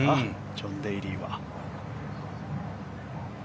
ジョン・デイリーは。